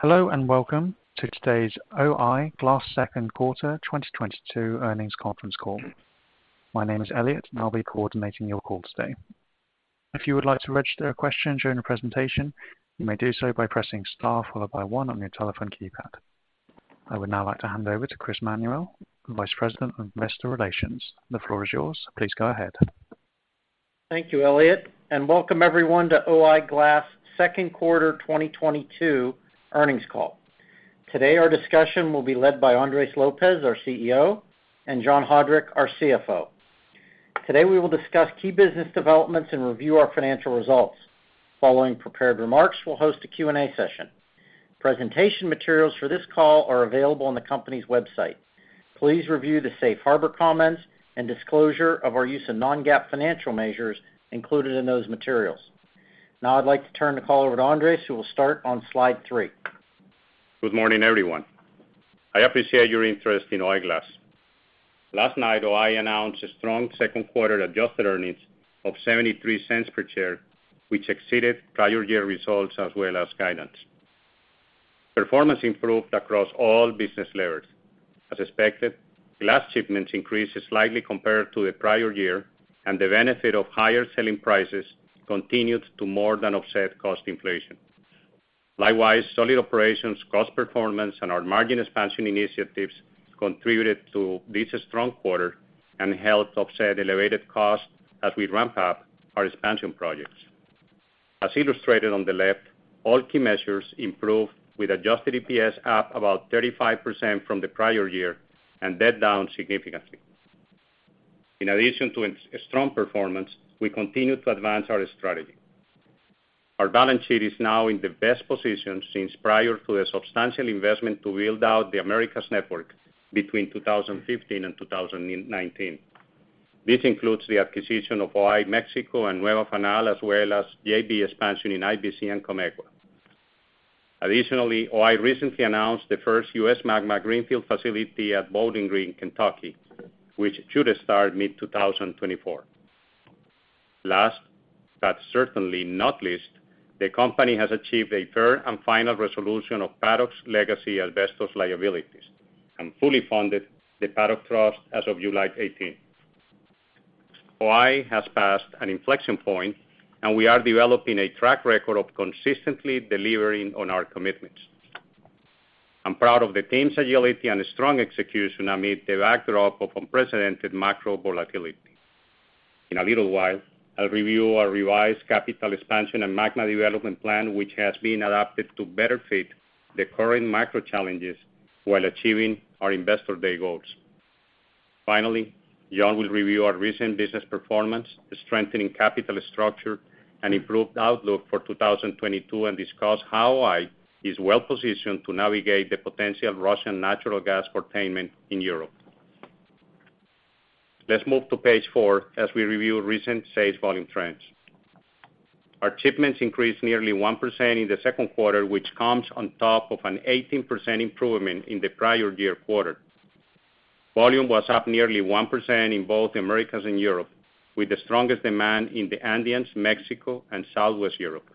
Hello, and welcome to today's O-I Glass Q2 2022 earnings conference call. My name is Elliot, and I'll be coordinating your call today. If you would like to register a question during the presentation, you may do so by pressing star followed by one on your telephone keypad. I would now like to hand over to Chris Manuel, Vice President of Investor Relations. The floor is yours. Please go ahead. Thank you, Elliot, and welcome everyone to O-I Glass Q2 2022 earnings call. Today, our discussion will be led by Andres Lopez, our CEO, and John Haudrich, our CFO. Today, we will discuss key business developments and review our financial results. Following prepared remarks, we'll host a Q&A session. Presentation materials for this call are available on the company's website. Please review the safe harbor comments and disclosure of our use of non-GAAP financial measures included in those materials. Now I'd like to turn the call over to Andres, who will start on slide three. Good morning, everyone. I appreciate your interest in O-I Glass. Last night, O-I announced a strong Q2 adjusted earnings of $0.73 per share, which exceeded prior year results as well as guidance. Performance improved across all business layers. As expected, glass shipments increased slightly compared to the prior year, and the benefit of higher selling prices continued to more than offset cost inflation. Likewise, solid operations, cost performance, and our margin expansion initiatives contributed to this strong quarter and helped offset elevated costs as we ramp up our expansion projects. As illustrated on the left, all key measures improved with adjusted EPS up about 35% from the prior year, and debt down significantly. In addition to a strong performance, we continue to advance our strategy. Our balance sheet is now in the best position since prior to a substantial investment to build out the Americas network between 2015 and 2019. This includes the acquisition of O-I Mexico and Nueva Fábrica Nacional de Vidrio, as well as the Andes-Bernal expansion in IBC and Comegua. Additionally, O-I recently announced the first U.S. MAGMA greenfield facility at Bowling Green, Kentucky, which should start mid-2024. Last, but certainly not least, the company has achieved a third and final resolution of Paddock's legacy asbestos liabilities and fully funded the Paddock trust as of July 18. O-I has passed an inflection point, and we are developing a track record of consistently delivering on our commitments. I'm proud of the team's agility and strong execution amid the backdrop of unprecedented macro volatility. In a little while, I'll review our revised capital expansion and MAGMA development plan, which has been adapted to better fit the current macro challenges while achieving our Investor Day goals. Finally, John will review our recent business performance, strengthening capital structure and improved outlook for 2022, and discuss how O-I is well-positioned to navigate the potential Russian natural gas curtailment in Europe. Let's move to page four as we review recent sales volume trends. Our shipments increased nearly 1% in the Q2, which comes on top of an 18% improvement in the prior year quarter. Volume was up nearly 1% in both the Americas and Europe, with the strongest demand in the Andean, Mexico and Southwest Europe.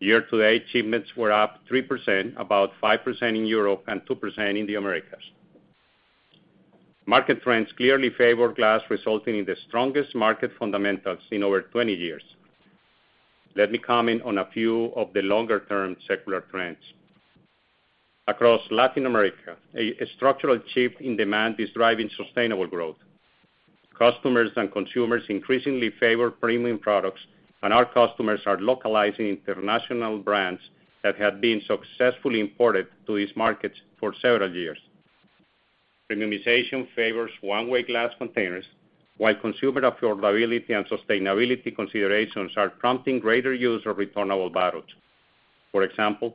Year-to-date shipments were up 3%, about 5% in Europe, and 2% in the Americas. Market trends clearly favor glass, resulting in the strongest market fundamentals in over 20 years. Let me comment on a few of the longer-term secular trends. Across Latin America, a structural shift in demand is driving sustainable growth. Customers and consumers increasingly favor premium products, and our customers are localizing international brands that have been successfully imported to these markets for several years. Premiumization favors one-way glass containers, while consumer affordability and sustainability considerations are prompting greater use of returnable bottles. For example,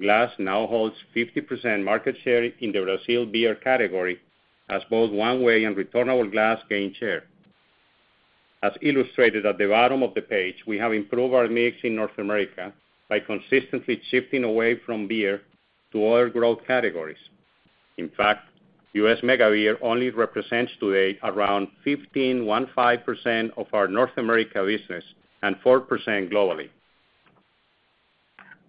glass now holds 50% market share in the Brazil beer category as both one-way and returnable glass gain share. As illustrated at the bottom of the page, we have improved our mix in North America by consistently shifting away from beer to other growth categories. In fact, U.S. mega beer only represents today around 15.15% of our North America business and 4% globally.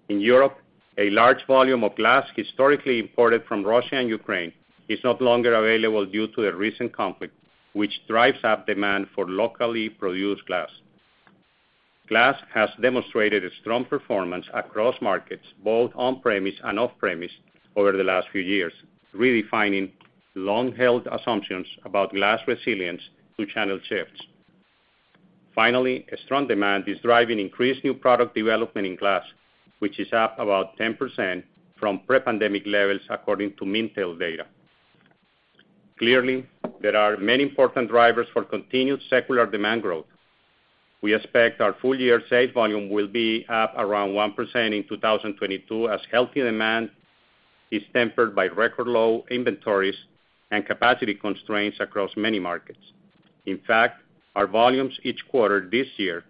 In Europe, a large volume of glass historically imported from Russia and Ukraine is no longer available due to the recent conflict, which drives up demand for locally produced glass. Glass has demonstrated a strong performance across markets, both on-premise and off-premise over the last few years, redefining long-held assumptions about glass resilience through channel shifts. Finally, a strong demand is driving increased new product development in glass, which is up about 10% from pre-pandemic levels, according to Mintel data. Clearly, there are many important drivers for continued secular demand growth. We expect our full-year sales volume will be up around 1% in 2022 as healthy demand is tempered by record low inventories and capacity constraints across many markets. In fact, our volumes each quarter this year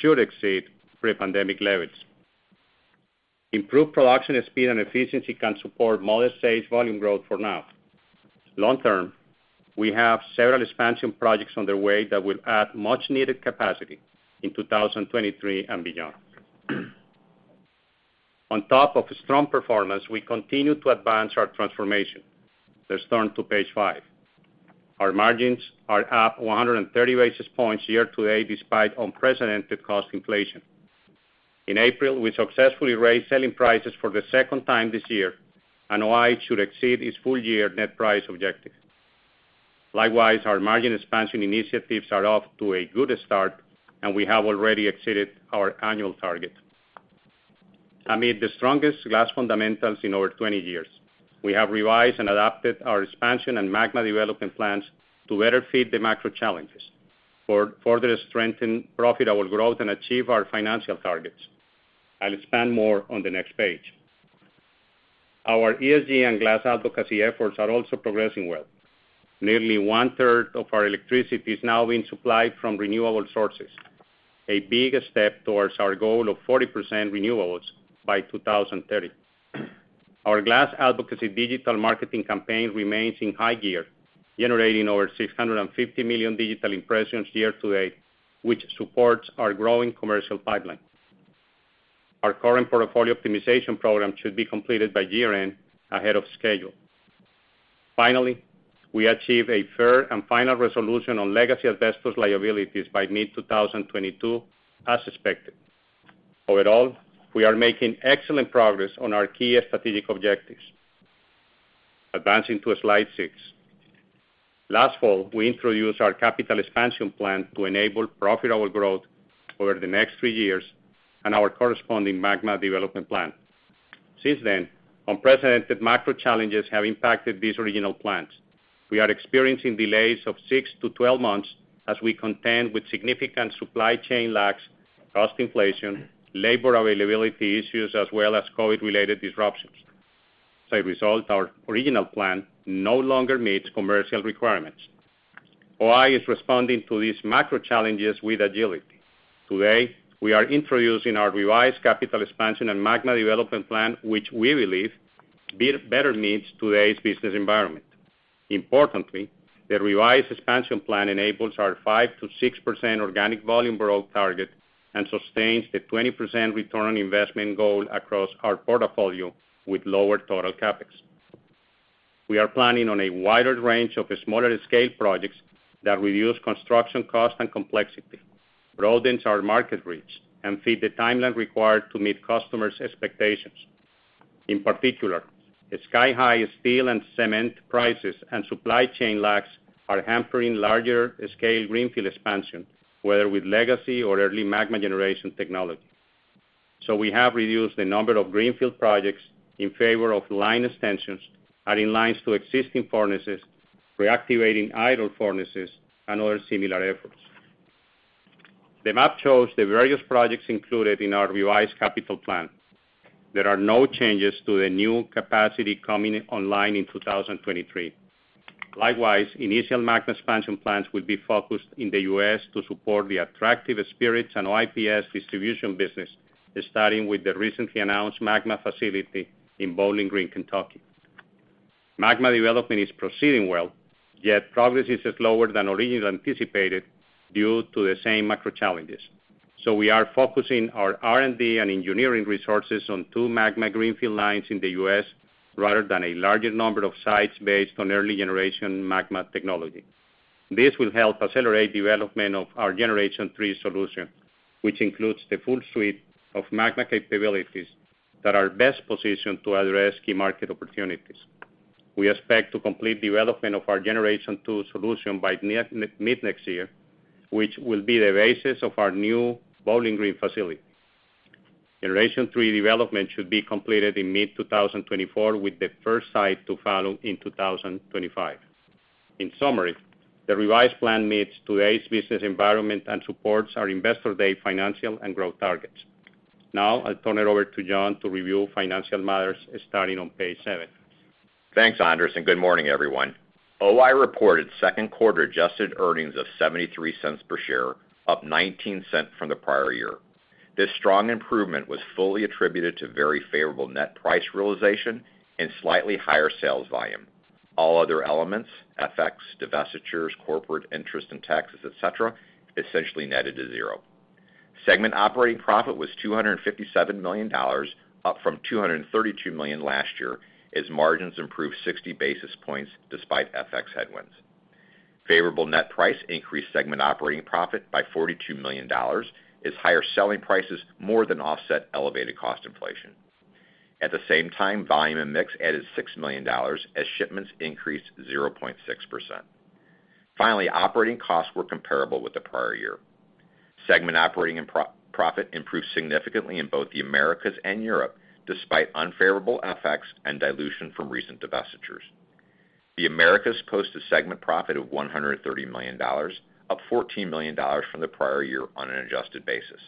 should exceed pre-pandemic levels. Improved production speed and efficiency can support modest sales volume growth for now. Long term, we have several expansion projects on their way that will add much needed capacity in 2023 and beyond. On top of strong performance, we continue to advance our transformation. Let's turn to page five. Our margins are up 130 basis points year to date, despite unprecedented cost inflation. In April, we successfully raised selling prices for the second time this year, and O-I should exceed its full year net price objective. Likewise, our margin expansion initiatives are off to a good start, and we have already exceeded our annual target. Amid the strongest glass fundamentals in over 20 years, we have revised and adapted our expansion and MAGMA development plans to better fit the macro challenges, to further strengthen profitable growth, and achieve our financial targets. I'll expand more on the next page. Our ESG and glass advocacy efforts are also progressing well. Nearly one-third of our electricity is now being supplied from renewable sources, a big step towards our goal of 40% renewables by 2030. Our glass advocacy digital marketing campaign remains in high gear, generating over 650 million digital impressions year to date, which supports our growing commercial pipeline. Our current portfolio optimization program should be completed by year-end, ahead of schedule. Finally, we achieve a fair and final resolution on legacy asbestos liabilities by mid-2022, as expected. Overall, we are making excellent progress on our key strategic objectives. Advancing to slide six. Last fall, we introduced our capital expansion plan to enable profitable growth over the next three years and our corresponding MAGMA development plan. Since then, unprecedented macro challenges have impacted these original plans. We are experiencing delays of six to 12 months as we contend with significant supply chain lags, cost inflation, labor availability issues, as well as COVID-related disruptions. As a result, our original plan no longer meets commercial requirements. O-I is responding to these macro challenges with agility. Today, we are introducing our revised capital expansion and MAGMA development plan, which we believe better meets today's business environment. Importantly, the revised expansion plan enables our 5%-6% organic volume growth target and sustains the 20% return on investment goal across our portfolio with lower total CapEx. We are planning on a wider range of smaller scale projects that reduce construction cost and complexity, broadens our market reach, and fit the timeline required to meet customers' expectations. In particular, the sky-high steel and cement prices and supply chain lags are hampering larger scale greenfield expansion, whether with legacy or early MAGMA generation technology. We have reduced the number of greenfield projects in favor of line extensions, adding lines to existing furnaces, reactivating idle furnaces and other similar efforts. The map shows the various projects included in our revised capital plan. There are no changes to the new capacity coming online in 2023. Likewise, initial MAGMA expansion plans will be focused in the U.S. to support the attractive spirits and O-I PS distribution business, starting with the recently announced MAGMA facility in Bowling Green, Kentucky. MAGMA development is proceeding well, yet progress is slower than originally anticipated due to the same macro challenges. We are focusing our R&D and engineering resources on two MAGMA greenfield lines in the U.S., rather than a larger number of sites based on early-generation MAGMA technology. This will help accelerate development of our Generation Three solution, which includes the full suite of MAGMA capabilities that are best positioned to address key market opportunities. We expect to complete development of our Generation Two solution by end of 2023 next year, which will be the basis of our new Bowling Green facility. Generation Three development should be completed in mid-2024, with the first site to follow in 2025. In summary, the revised plan meets today's business environment and supports our Investor Day financial and growth targets. Now I'll turn it over to John to review financial matters starting on page seven. Thanks, Andres, and good morning, everyone. O-I reported Q2 adjusted earnings of $0.73 per share, up $0.19 from the prior year. This strong improvement was fully attributed to very favorable net price realization and slightly higher sales volume. All other elements, FX, divestitures, corporate interest and taxes, et cetera, essentially netted to zero. Segment operating profit was $257 million, up from $232 million last year, as margins improved 60 basis points despite FX headwinds. Favorable net price increased segment operating profit by $42 million, as higher selling prices more than offset elevated cost inflation. At the same time, volume and mix added $6 million as shipments increased 0.6%. Finally, operating costs were comparable with the prior year. Segment operating profit improved significantly in both the Americas and Europe, despite unfavorable FX and dilution from recent divestitures. The Americas posted segment profit of $130 million, up $14 million from the prior year on an adjusted basis,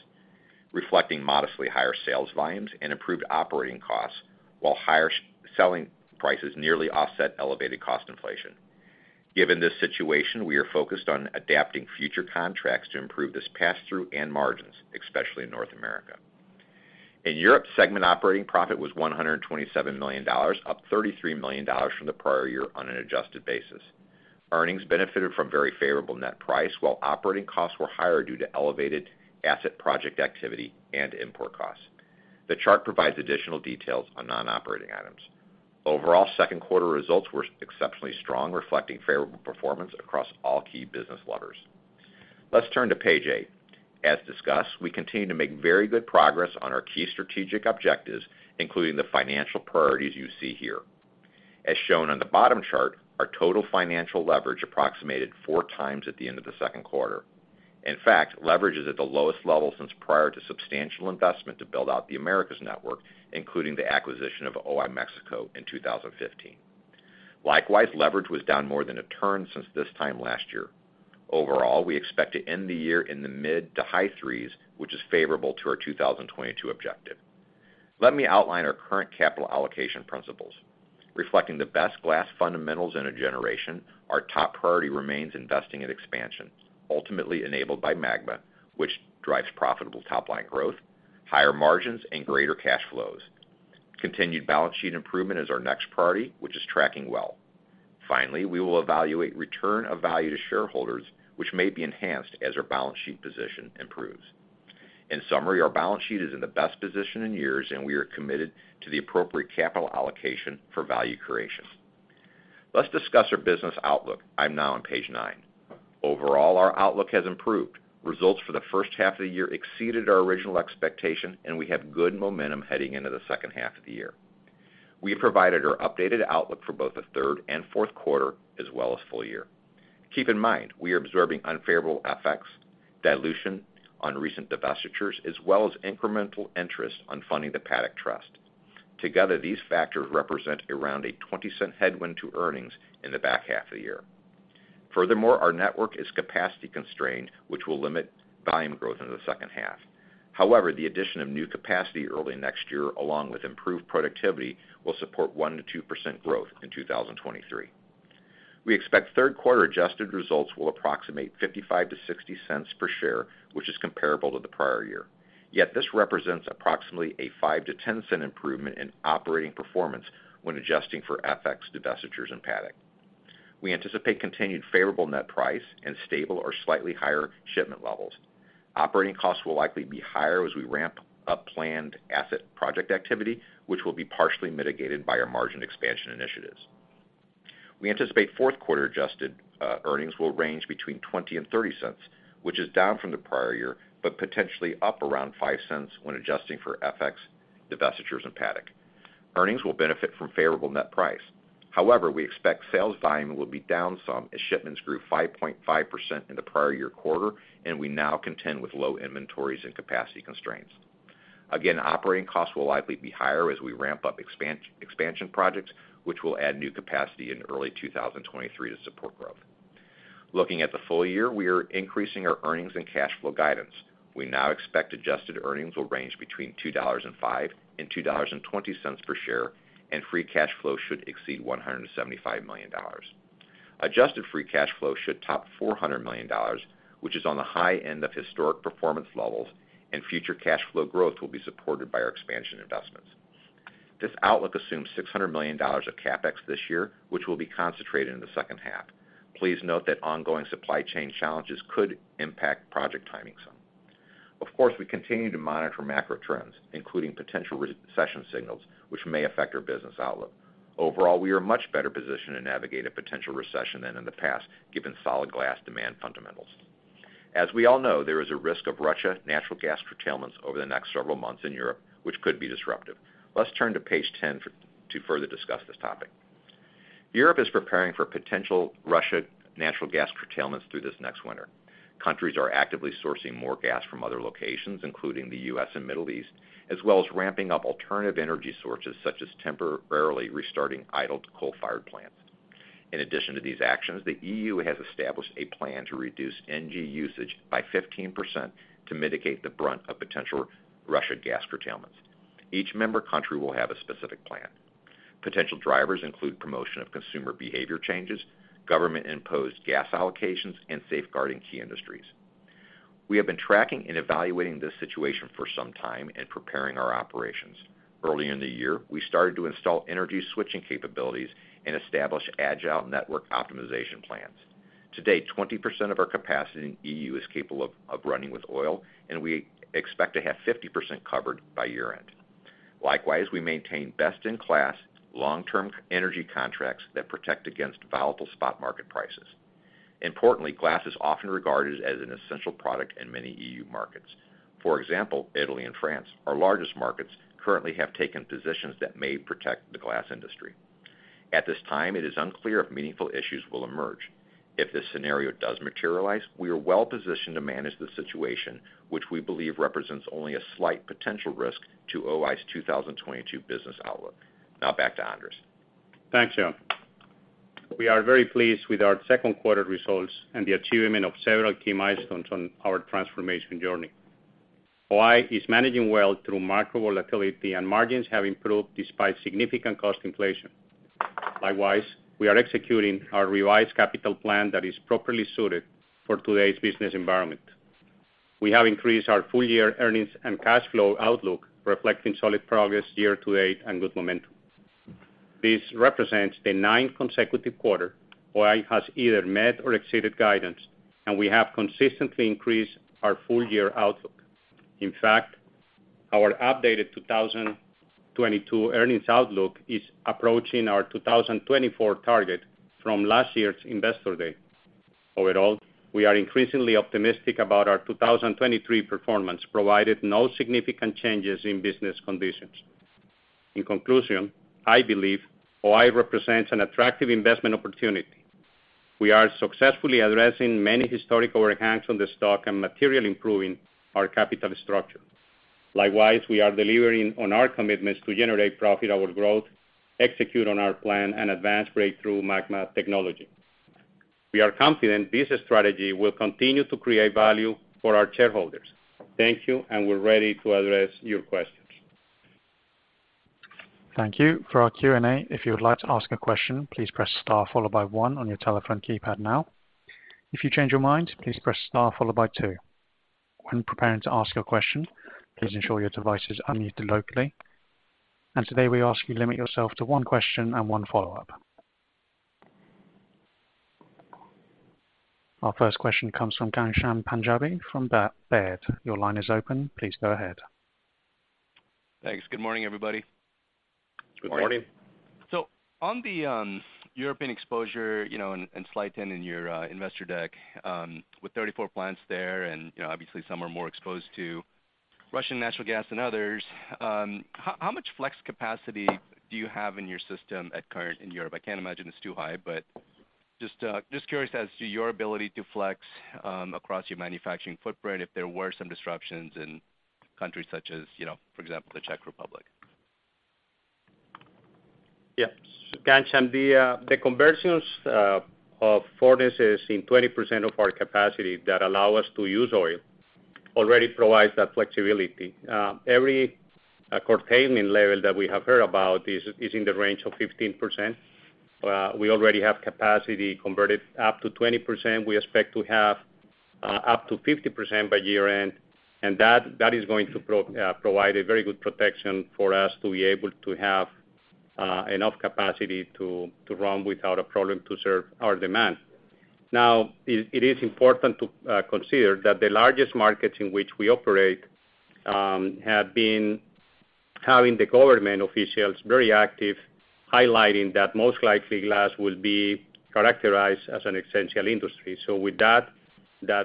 reflecting modestly higher sales volumes and improved operating costs, while higher selling prices nearly offset elevated cost inflation. Given this situation, we are focused on adapting future contracts to improve this pass-through and margins, especially in North America. In Europe, segment operating profit was $127 million, up $33 million from the prior year on an adjusted basis. Earnings benefited from very favorable net price, while operating costs were higher due to elevated asset project activity and import costs. The chart provides additional details on non-operating items. Overall, Q2 results were exceptionally strong, reflecting favorable performance across all key business levers. Let's turn to page eight. As discussed, we continue to make very good progress on our key strategic objectives, including the financial priorities you see here. As shown on the bottom chart, our total financial leverage approximated 4x at the end of the Q2. In fact, leverage is at the lowest level since prior to substantial investment to build out the Americas network, including the acquisition of O-I Mexico in 2015. Likewise, leverage was down more than a turn since this time last year. Overall, we expect to end the year in the mid to high 3s, which is favorable to our 2022 objective. Let me outline our current capital allocation principles. Reflecting the best glass fundamentals in a generation, our top priority remains investing in expansion, ultimately enabled by MAGMA, which drives profitable top-line growth, higher margins, and greater cash flows. Continued balance sheet improvement is our next priority, which is tracking well. Finally, we will evaluate return of value to shareholders, which may be enhanced as our balance sheet position improves. In summary, our balance sheet is in the best position in years, and we are committed to the appropriate capital allocation for value creation. Let's discuss our business outlook. I'm now on page nine. Overall, our outlook has improved. Results for the H1 of the year exceeded our original expectation, and we have good momentum heading into the H2 of the year. We have provided our updated outlook for both the third and Q4, as well as full year. Keep in mind, we are observing unfavorable FX, dilution on recent divestitures, as well as incremental interest on funding the Paddock Trust. Together, these factors represent around a $0.20 headwind to earnings in the back half of the year. Furthermore, our network is capacity constrained, which will limit volume growth into the H2. However, the addition of new capacity early next year, along with improved productivity, will support 1%-2% growth in 2023. We expect Q3 adjusted results will approximate $0.55-$0.60 per share, which is comparable to the prior year. Yet this represents approximately a $0.05-$0.10 improvement in operating performance when adjusting for FX, divestitures, and Paddock. We anticipate continued favorable net price and stable or slightly higher shipment levels. Operating costs will likely be higher as we ramp up planned asset project activity, which will be partially mitigated by our margin expansion initiatives. We anticipate Q4 adjusted earnings will range between $0.20 and $0.30, which is down from the prior year, but potentially up around $0.05 when adjusting for FX, divestitures, and Paddock. Earnings will benefit from favorable net price. However, we expect sales volume will be down some as shipments grew 5.5% in the prior year quarter, and we now contend with low inventories and capacity constraints. Operating costs will likely be higher as we ramp up expansion projects, which will add new capacity in early 2023 to support growth. Looking at the full year, we are increasing our earnings and cash flow guidance. We now expect adjusted earnings will range between $2.05 and $2.20 per share, and free cash flow should exceed $175 million. Adjusted free cash flow should top $400 million, which is on the high end of historic performance levels, and future cash flow growth will be supported by our expansion investments. This outlook assumes $600 million of CapEx this year, which will be concentrated in the H2. Please note that ongoing supply chain challenges could impact project timing some. Of course, we continue to monitor macro trends, including potential recession signals, which may affect our business outlook. Overall, we are much better positioned to navigate a potential recession than in the past, given solid glass demand fundamentals. As we all know, there is a risk of Russian natural gas curtailments over the next several months in Europe, which could be disruptive. Let's turn to page 10 to further discuss this topic. Europe is preparing for potential Russian natural gas curtailments through this next winter. Countries are actively sourcing more gas from other locations, including the U.S. and Middle East, as well as ramping up alternative energy sources such as temporarily restarting idled coal-fired plants. In addition to these actions, the EU has established a plan to reduce NG usage by 15% to mitigate the brunt of potential Russia gas curtailments. Each member country will have a specific plan. Potential drivers include promotion of consumer behavior changes, government-imposed gas allocations, and safeguarding key industries. We have been tracking and evaluating this situation for some time and preparing our operations. Early in the year, we started to install energy switching capabilities and establish agile network optimization plans. To date, 20% of our capacity in EU is capable of running with oil, and we expect to have 50% covered by year-end. Likewise, we maintain best-in-class long-term energy contracts that protect against volatile spot market prices. Importantly, glass is often regarded as an essential product in many EU markets. For example, Italy and France, our largest markets, currently have taken positions that may protect the glass industry. At this time, it is unclear if meaningful issues will emerge. If this scenario does materialize, we are well positioned to manage the situation, which we believe represents only a slight potential risk to OI's 2022 business outlook. Now back to Andres. Thanks, John. We are very pleased with our Q2 results and the achievement of several key milestones on our transformation journey. O-I is managing well through macro volatility and margins have improved despite significant cost inflation. Likewise, we are executing our revised capital plan that is properly suited for today's business environment. We have increased our full year earnings and cash flow outlook, reflecting solid progress year to date and good momentum. This represents the ninth consecutive quarter O-I has either met or exceeded guidance, and we have consistently increased our full year outlook. In fact, our updated 2022 earnings outlook is approaching our 2024 target from last year's Investor Day. Overall, we are increasingly optimistic about our 2023 performance, provided no significant changes in business conditions. In conclusion, I believe O-I represents an attractive investment opportunity. We are successfully addressing many historical overhangs on the stock and materially improving our capital structure. Likewise, we are delivering on our commitments to generate profitable growth, execute on our plan, and advance breakthrough MAGMA technology. We are confident this strategy will continue to create value for our shareholders. Thank you, and we're ready to address your questions. Thank you. For our Q&A, if you would like to ask a question, please press star followed by one on your telephone keypad now. If you change your mind, please press star followed by two. When preparing to ask a question, please ensure your device is unmuted locally. Today, we ask you to limit yourself to one question and one follow-up. Our first question comes from Ghansham Panjabi from Baird. Your line is open. Please go ahead. Thanks. Good morning, everybody. Good morning. Good morning. On the European exposure, you know, in slide 10 in your investor deck, with 34 plants there and, you know, obviously some are more exposed to Russian natural gas than others, how much flex capacity do you have in your system currently in Europe? I can't imagine it's too high, but just curious as to your ability to flex across your manufacturing footprint if there were some disruptions in countries such as, you know, for example, the Czech Republic. Yeah. Ghansham, the conversions of furnaces in 20% of our capacity that allow us to use oil already provides that flexibility. Every curtailment level that we have heard about is in the range of 15%. We already have capacity converted up to 20%. We expect to have up to 50% by year-end, and that is going to provide a very good protection for us to be able to have enough capacity to run without a problem to serve our demand. Now, it is important to consider that the largest markets in which we operate have been having the government officials very active, highlighting that most likely glass will be characterized as an essential industry. With that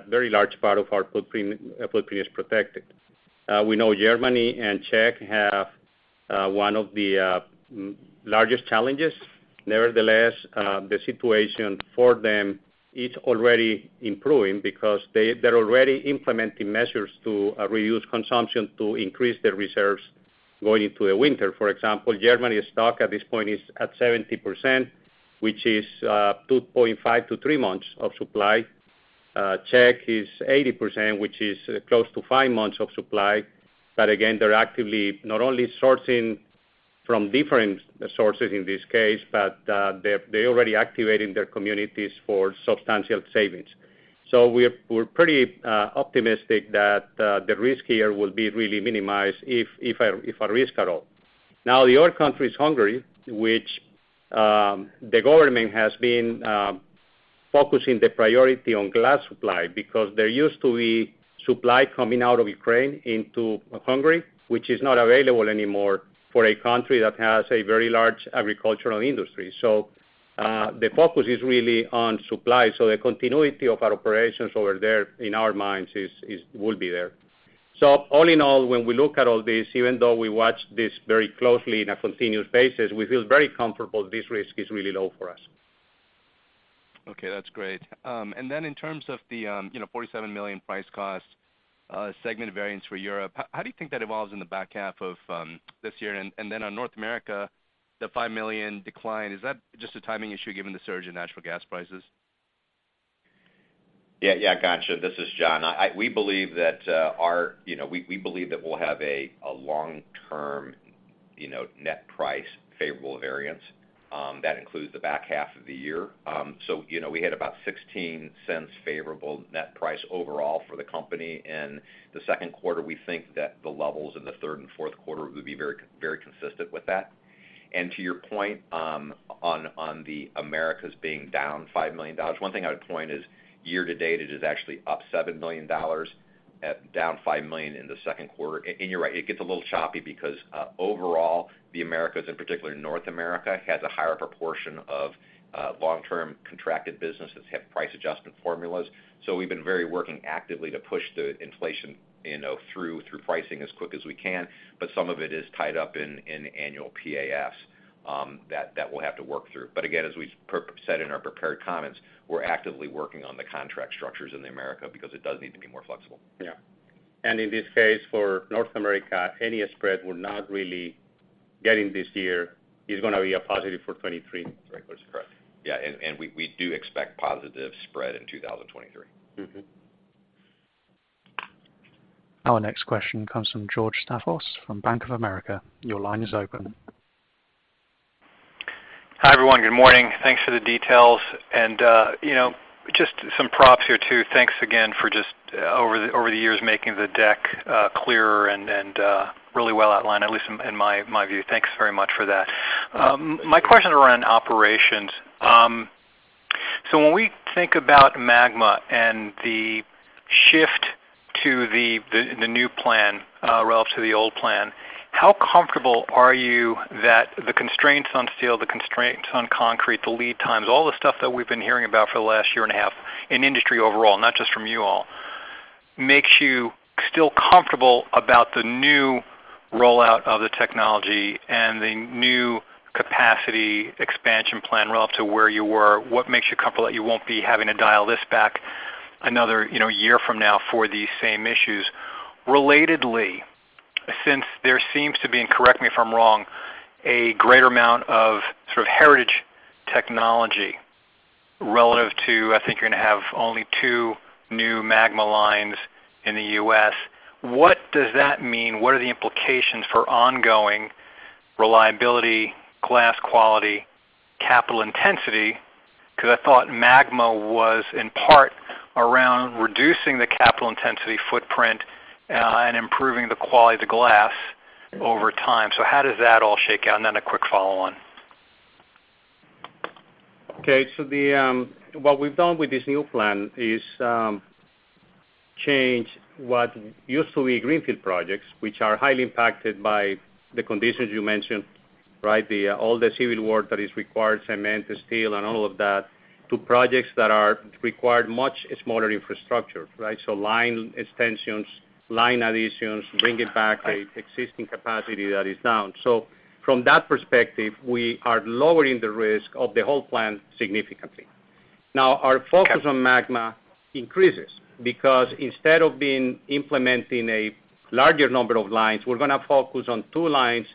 very large part of our footprint is protected. We know Germany and Czech have one of the largest challenges. Nevertheless, the situation for them is already improving because they're already implementing measures to reduce consumption to increase their reserves going into the winter. For example, Germany's stock at this point is at 70%, which is 2.5-three months of supply. Czech is 80%, which is close to five months of supply. Again, they're actively not only sourcing from different sources in this case, but they're already activating their communities for substantial savings. We're pretty optimistic that the risk here will be really minimized if a risk at all. Now the other country is Hungary, which the government has been focusing the priority on glass supply because there used to be supply coming out of Ukraine into Hungary, which is not available anymore for a country that has a very large agricultural industry. The focus is really on supply. The continuity of our operations over there, in our minds, is will be there. All in all, when we look at all this, even though we watch this very closely on a continuous basis, we feel very comfortable this risk is really low for us. Okay, that's great. In terms of the, you know, $47 million price cost segment variance for Europe, how do you think that evolves in the back half of this year? On North America, the $5 million decline, is that just a timing issue given the surge in natural gas prices? Yeah. Yeah. Gotcha. This is John. We believe that our you know, we believe that we'll have a long-term you know, net price favorable variance that includes the back half of the year. So, you know, we had about $0.16 favorable net price overall for the company in the Q2. We think that the levels in the third and Q4 would be very consistent with that. To your point, on the Americas being down $5 million, one thing I would point out is year to date, it is actually up $7 million, down $5 million in the Q2. You're right, it gets a little choppy because overall the Americas, in particular North America, has a higher proportion of long-term contracted businesses, have price adjustment formulas. We've been very working actively to push the inflation, you know, through pricing as quick as we can, but some of it is tied up in annual PAFs that we'll have to work through. Again, as we said in our prepared comments, we're actively working on the contract structures in the Americas because it does need to be more flexible. Yeah. In this case, for North America, any spread we're not really getting this year is gonna be a positive for 2023. Right. That's correct. Yeah. We do expect positive spread in 2023. Mm-hmm. Our next question comes from George Staphos from Bank of America. Your line is open. Hi, everyone. Good morning. Thanks for the details. You know, just some props here, too. Thanks again for just over the years making the deck clearer and really well outlined, at least in my view. Thanks very much for that. My question is around operations. When we think about MAGMA and the shift to the new plan relative to the old plan, how comfortable are you that the constraints on steel, the constraints on concrete, the lead times, all the stuff that we've been hearing about for the last year and a half in industry overall, not just from you all, makes you still comfortable about the new rollout of the technology and the new capacity expansion plan relative to where you were? What makes you comfortable that you won't be having to dial this back another, you know, year from now for these same issues? Relatedly, since there seems to be, and correct me if I'm wrong, a greater amount of sort of heritage technology relative to, I think you're gonna have only two new MAGMA lines in the U.S., what does that mean? What are the implications for ongoing reliability, glass quality, capital intensity? Because I thought MAGMA was in part around reducing the capital intensity footprint, and improving the quality of the glass over time. How does that all shake out? A quick follow-on. Okay. What we've done with this new plan is change what used to be greenfield projects, which are highly impacted by the conditions you mentioned, right? All the civil work that is required, cement, the steel and all of that, to projects that require much smaller infrastructure, right? From that perspective, we are lowering the risk of the whole plan significantly. Now, our focus on MAGMA increases because instead of implementing a larger number of lines, we're gonna focus on two lines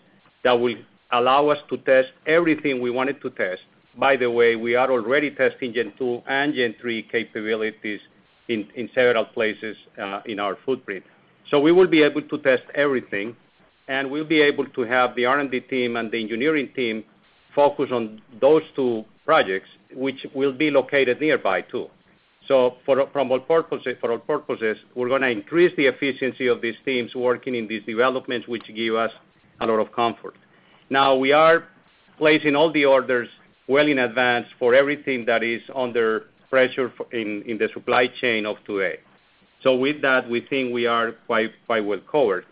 that will allow us to test everything we wanted to test. By the way, we are already testing Gen two and Gen three capabilities in several places in our footprint. We will be able to test everything, and we'll be able to have the R&D team and the engineering team focus on those two projects, which will be located nearby, too. For all intents and purposes, we're gonna increase the efficiency of these teams working in these developments, which give us a lot of comfort. Now, we are placing all the orders well in advance for everything that is under pressure in the supply chain of today. With that, we think we are quite well covered.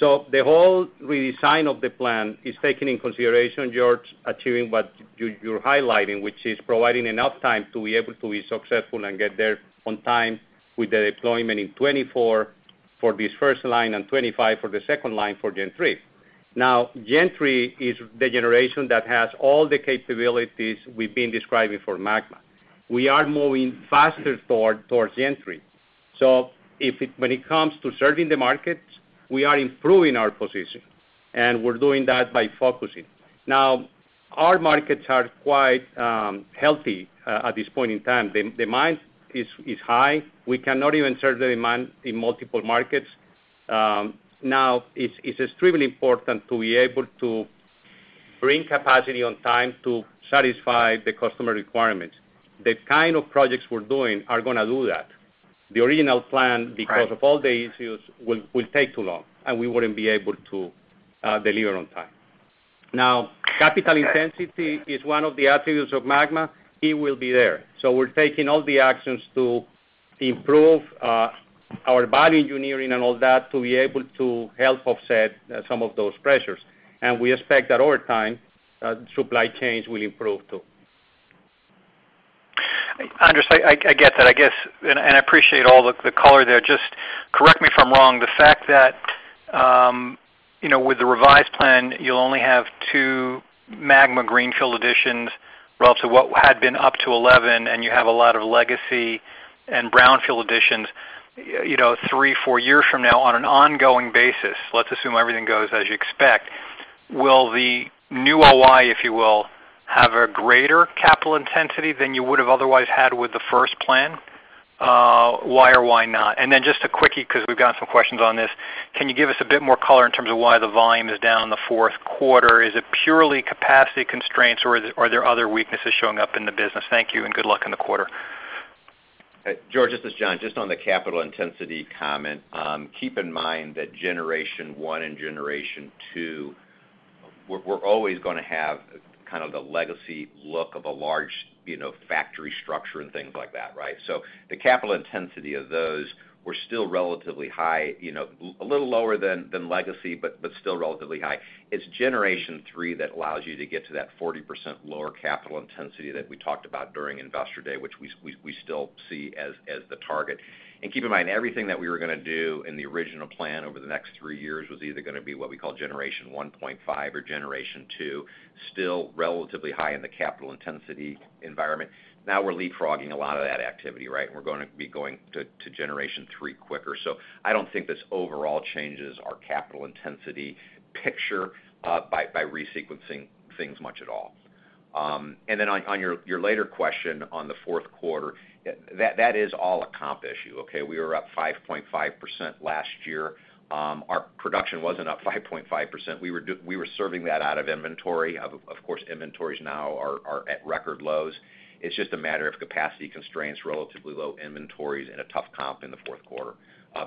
The whole redesign of the plan is taking into consideration, George, achieving what you're highlighting, which is providing enough time to be able to be successful and get there on time with the deployment in 2024 for this first line and 2025 for the second line for Gen three. Now, Gen three is the generation that has all the capabilities we've been describing for MAGMA. We are moving faster toward Gen three. When it comes to serving the markets, we are improving our position, and we're doing that by focusing. Now, our markets are quite healthy at this point in time. The demand is high. We cannot even serve the demand in multiple markets. Now it's extremely important to be able to bring capacity on time to satisfy the customer requirements. The kind of projects we're doing are gonna do that. The original plan, because of all the issues, will take too long, and we wouldn't be able to deliver on time. Now, capital intensity is one of the attributes of MAGMA. It will be there. We're taking all the actions to improve our value engineering and all that to be able to help offset some of those pressures. We expect that over time supply chains will improve, too. Andres, I get that, I guess, and I appreciate all the color there. Just correct me if I'm wrong. The fact that, you know, with the revised plan, you'll only have two MAGMA greenfield additions relative to what had been up to 11, and you have a lot of legacy and brownfield additions, you know, three, four years from now on an ongoing basis, let's assume everything goes as you expect. Will the new O-I, if you will, have a greater capital intensity than you would have otherwise had with the first plan? Why or why not? Then just a quickie because we've gotten some questions on this. Can you give us a bit more color in terms of why the volume is down in the Q4? Is it purely capacity constraints, or are there other weaknesses showing up in the business? Thank you, and good luck in the quarter. George, this is John. Just on the capital intensity comment, keep in mind that generation one and generation two, we're always gonna have kind of the legacy look of a large, you know, factory structure and things like that, right? The capital intensity of those were still relatively high, you know, a little lower than legacy, but still relatively high. It's generation three that allows you to get to that 40% lower capital intensity that we talked about during Investor Day, which we still see as the target. Keep in mind, everything that we were gonna do in the original plan over the next three years was either gonna be what we call generation one point five or generation two, still relatively high in the capital intensity environment. Now we're leapfrogging a lot of that activity, right? We're gonna be going to Generation three quicker. I don't think this overall changes our capital intensity picture by resequencing things much at all. Then on your later question on the Q4, that is all a comp issue. Okay. We were up 5.5% last year. Our production wasn't up 5.5%. We were serving that out of inventory. Of course, inventories now are at record lows. It's just a matter of capacity constraints, relatively low inventories and a tough comp in the Q4.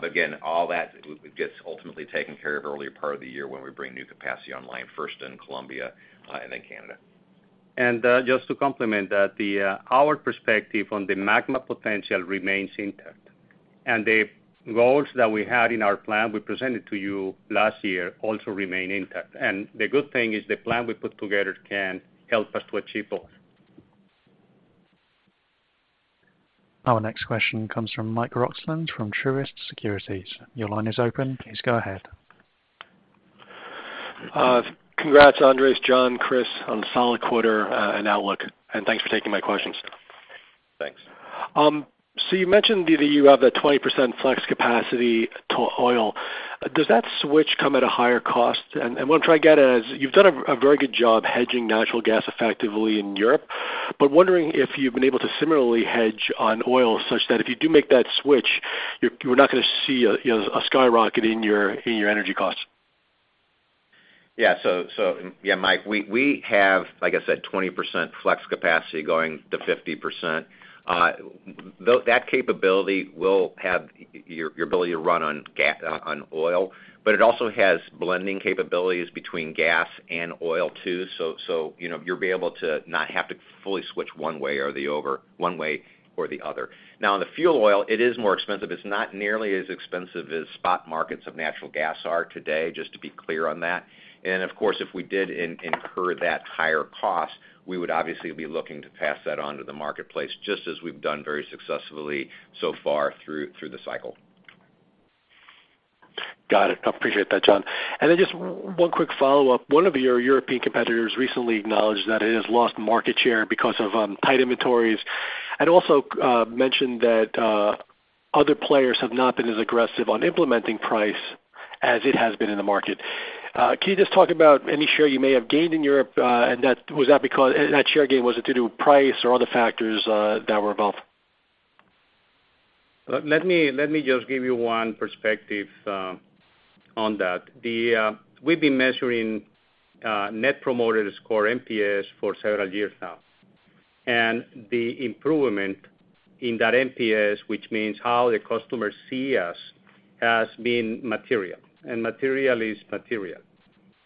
Again, all that gets ultimately taken care of earlier part of the year when we bring new capacity online first in Colombia and then Canada. Just to complement that, our perspective on the MAGMA potential remains intact. The goals that we had in our plan we presented to you last year also remain intact. The good thing is the plan we put together can help us to achieve both. Our next question comes from Mike Roxland from Truist Securities. Your line is open. Please go ahead. Congrats, Andres, John, Chris, on a solid quarter, and outlook, and thanks for taking my questions. Thanks. You mentioned that you have a 20% flex capacity to oil. Does that switch come at a higher cost? What I'm trying to get at is you've done a very good job hedging natural gas effectively in Europe, but wondering if you've been able to similarly hedge on oil such that if you do make that switch, you are not gonna see a, you know, a skyrocket in your energy costs. Mike, we have, like I said, 20% flex capacity going to 50%. That capability will have your ability to run on oil, but it also has blending capabilities between gas and oil too. You know, you'll be able to not have to fully switch one way or the other. Now on the fuel oil, it is more expensive. It's not nearly as expensive as spot markets of natural gas are today, just to be clear on that. Of course, if we did incur that higher cost, we would obviously be looking to pass that on to the marketplace, just as we've done very successfully so far through the cycle. Got it. I appreciate that, John. Just one quick follow-up. One of your European competitors recently acknowledged that it has lost market share because of tight inventories, and also mentioned that other players have not been as aggressive on implementing price as it has been in the market. Can you just talk about any share you may have gained in Europe? That share gain, was it to do with price or other factors that were involved? Let me just give you one perspective on that. We've been measuring Net Promoter Score, NPS, for several years now. The improvement in that NPS, which means how the customers see us, has been material, and material is material.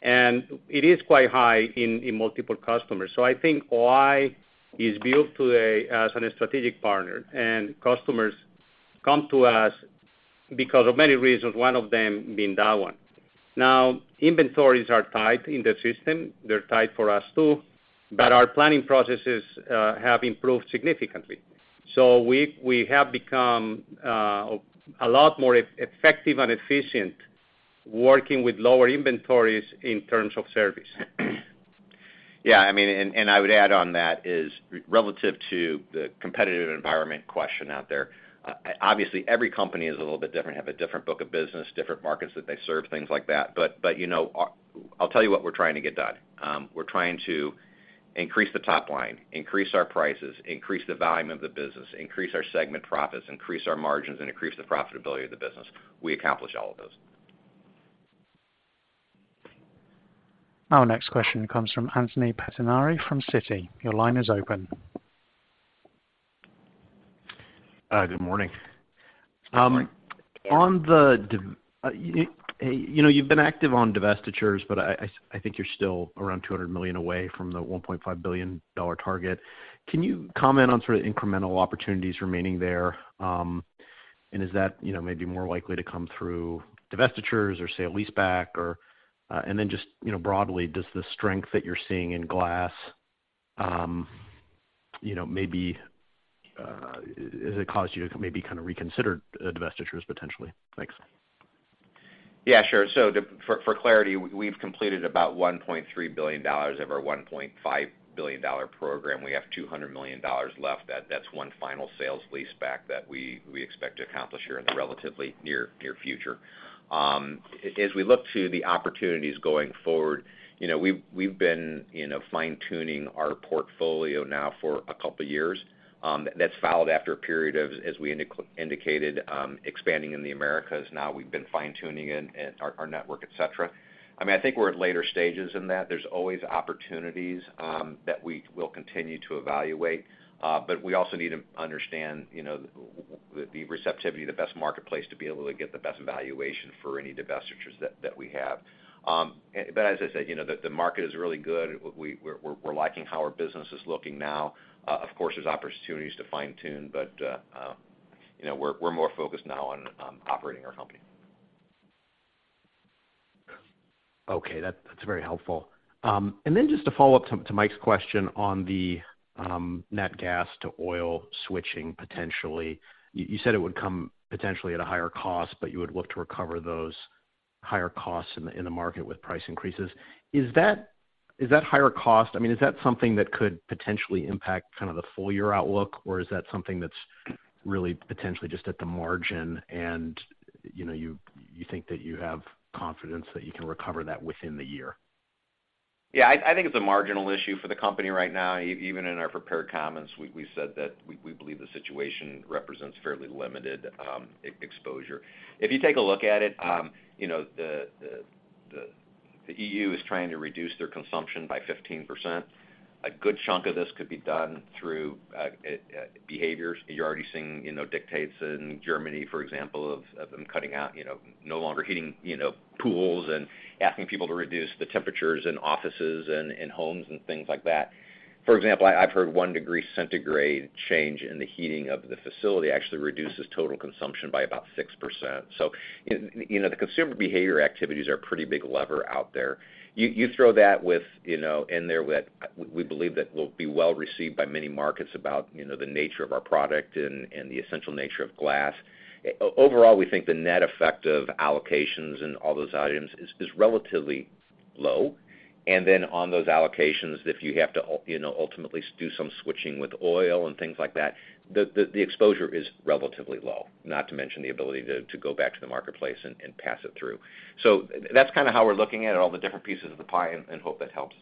It is quite high in multiple customers. I think O-I is built today as a strategic partner, and customers come to us because of many reasons, one of them being that one. Now, inventories are tight in the system. They're tight for us too, but our planning processes have improved significantly. We have become a lot more effective and efficient working with lower inventories in terms of service. Yeah, I mean, and I would add on that is relative to the competitive environment question out there, obviously, every company is a little bit different, have a different book of business, different markets that they serve, things like that. You know, I'll tell you what we're trying to get done. We're trying to increase the top line, increase our prices, increase the volume of the business, increase our segment profits, increase our margins, and increase the profitability of the business. We accomplish all of those. Our next question comes from Anthony Pettinari from Citi. Your line is open. Good morning. You know, you've been active on divestitures, but I think you're still around $200 million away from the $1.5 billion target. Can you comment on sort of incremental opportunities remaining there? Is that maybe more likely to come through divestitures or, say, a leaseback? You know, broadly, does the strength that you're seeing in glass, you know, maybe has it caused you to maybe kind of reconsider divestitures potentially? Thanks. Yeah, sure. For clarity, we've completed about $1.3 billion of our $1.5 billion program. We have $200 million left. That's one final sales leaseback that we expect to accomplish here in the relatively near future. As we look to the opportunities going forward, you know, we've been fine-tuning our portfolio now for a couple years. That's followed after a period of, as we indicated, expanding in the Americas. Now we've been fine-tuning in our network, et cetera. I mean, I think we're at later stages in that. There's always opportunities that we will continue to evaluate, but we also need to understand, you know, the receptivity, the best marketplace to be able to get the best valuation for any divestitures that we have. As I said, you know, the market is really good. We're liking how our business is looking now. Of course, there's opportunities to fine-tune, but you know, we're more focused now on operating our company. Okay. That's very helpful. Just to follow up to Mike's question on the nat gas to oil switching potentially, you said it would come potentially at a higher cost, but you would look to recover those higher costs in the market with price increases. Is that higher cost, I mean, is that something that could potentially impact kind of the full-year outlook, or is that something that's really potentially just at the margin and, you know, you think that you have confidence that you can recover that within the year? Yeah, I think it's a marginal issue for the company right now. Even in our prepared comments, we said that we believe the situation represents fairly limited exposure. If you take a look at it, you know, the EU is trying to reduce their consumption by 15%. A good chunk of this could be done through behaviors. You're already seeing, you know, dictates in Germany, for example, of them cutting out, you know, no longer heating, you know, pools and asking people to reduce the temperatures in offices and homes and things like that. For example, I've heard one degree centigrade change in the heating of the facility actually reduces total consumption by about 6%. You know, the consumer behavior activities are a pretty big lever out there. You throw that in there with, we believe that will be well received by many markets about, you know, the nature of our product and the essential nature of glass. Overall, we think the net effect of allocations and all those items is relatively low. Then on those allocations, if you have to, you know, ultimately do some switching with oil and things like that, the exposure is relatively low, not to mention the ability to go back to the marketplace and pass it through. So that's kind of how we're looking at all the different pieces of the pie and hope that helps.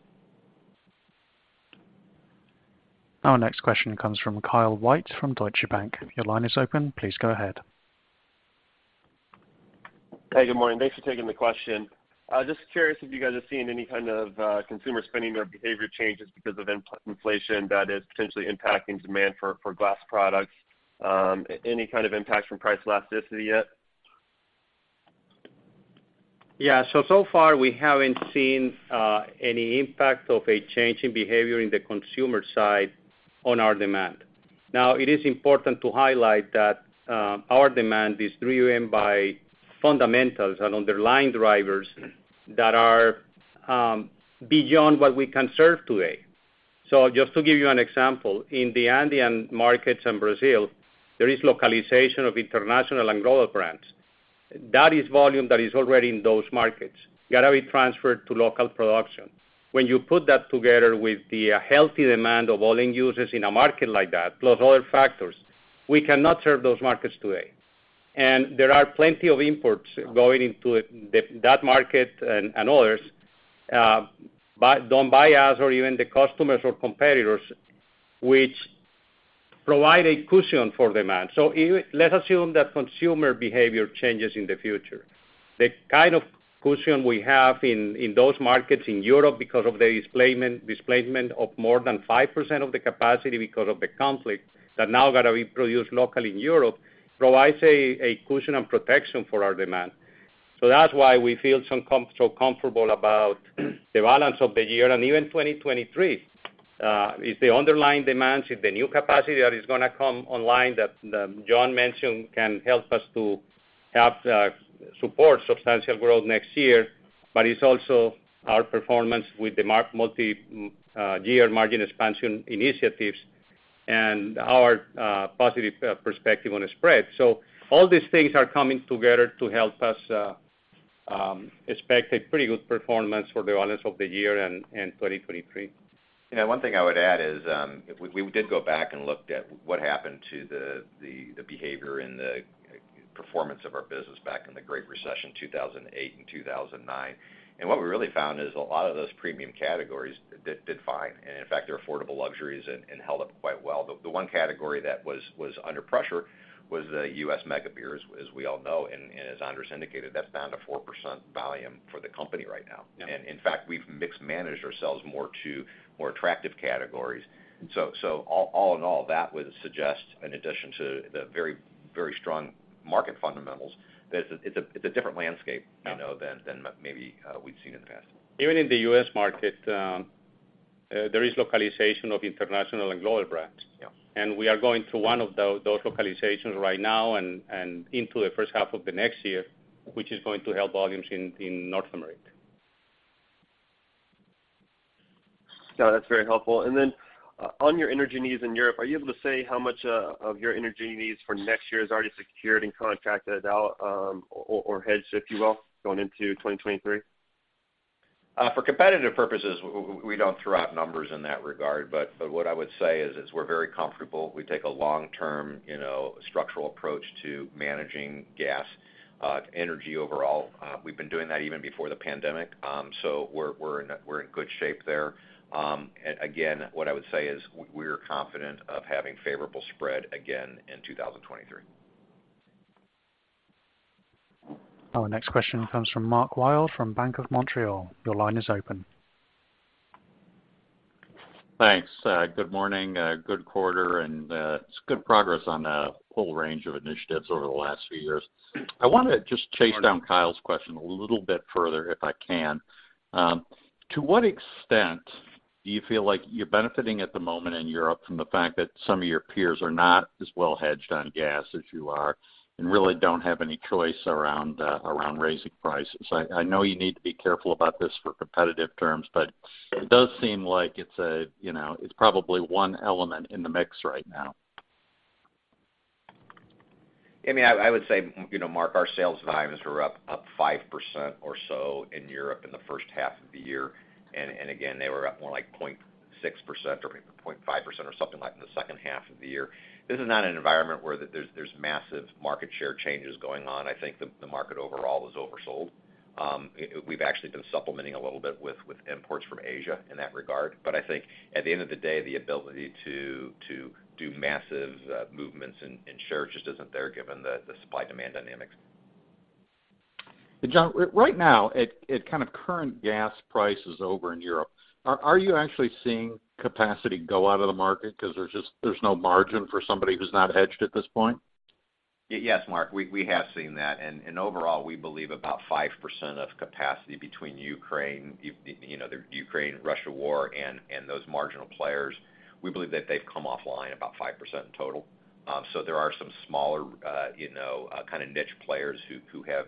Our next question comes from Kyle White from Deutsche Bank. Your line is open. Please go ahead. Hey, good morning. Thanks for taking the question. I was just curious if you guys are seeing any kind of consumer spending or behavior changes because of inflation that is potentially impacting demand for glass products, any kind of impact from price elasticity yet? Yeah. So far, we haven't seen any impact of a change in behavior in the consumer side on our demand. Now, it is important to highlight that our demand is driven by fundamentals and underlying drivers that are beyond what we can serve today. Just to give you an example, in the Andean markets in Brazil, there is localization of international and global brands. That is volume that is already in those markets that are being transferred to local production. When you put that together with the healthy demand of all end users in a market like that, plus other factors, we cannot serve those markets today. There are plenty of imports going into the market and others by us or even the customers or competitors, which provide a cushion for demand. Let's assume that consumer behavior changes in the future. The kind of cushion we have in those markets in Europe because of the displacement of more than 5% of the capacity because of the conflict that now got to be produced locally in Europe provides a cushion and protection for our demand. That's why we feel so comfortable about the balance of the year and even 2023. If the underlying demands, if the new capacity that is gonna come online that John mentioned can help us to have support substantial growth next year, but it's also our performance with the multi-year margin expansion initiatives and our positive perspective on the spread. All these things are coming together to help us expect a pretty good performance for the balance of the year and 2023. You know, one thing I would add is, we did go back and looked at what happened to the behavior and the performance of our business back in the Great Recession, 2008 and 2009. What we really found is a lot of those premium categories did fine. In fact, they're affordable luxuries and held up quite well. The one category that was under pressure was the U.S. mega beers, as we all know. As Andres indicated, that's down to 4% volume for the company right now. Yeah. In fact, we've managed our mix more to more attractive categories. So all in all, that would suggest, in addition to the very, very strong market fundamentals, that it's a different landscape. You know, than maybe we've seen in the past. Even in the U.S. market, there is localization of international and global brands. Yeah. We are going through one of those localizations right now and into the H1 of the next year, which is going to help volumes in North America. No, that's very helpful. On your energy needs in Europe, are you able to say how much of your energy needs for next year is already secured and contracted out, or hedged, if you will, going into 2023? For competitive purposes, we don't throw out numbers in that regard. What I would say is we're very comfortable. We take a long-term, you know, structural approach to managing gas, energy overall. We've been doing that even before the pandemic. We're in good shape there. Again, what I would say is we're confident of having favorable spread again in 2023. Our next question comes from Mark Wilde from Bank of Montreal. Your line is open. Thanks. Good morning, good quarter, and it's good progress on the whole range of initiatives over the last few years. I wanna just chase down Kyle's question a little bit further, if I can. To what extent do you feel like you're benefiting at the moment in Europe from the fact that some of your peers are not as well hedged on gas as you are and really don't have any choice around raising prices? I know you need to be careful about this for competitive terms, but it does seem like it's a, you know, it's probably one element in the mix right now. I mean, I would say, you know, Mark, our sales volumes were up 5% or so in Europe in the H1 of the year. Again, they were up more like 0.6% or 0.5% or something like in the H2 of the year. This is not an environment where there's massive market share changes going on. I think the market overall was oversold. We've actually been supplementing a little bit with imports from Asia in that regard. I think at the end of the day, the ability to do massive movements in shares just isn't there given the supply-demand dynamics. John, right now at kind of current gas prices over in Europe, are you actually seeing capacity go out of the market 'cause there's just no margin for somebody who's not hedged at this point? Yes, Mark, we have seen that. Overall, we believe about 5% of capacity between Ukraine, you know, the Ukraine-Russia war and those marginal players, we believe that they've come offline about 5% in total. There are some smaller, you know, kind of niche players who have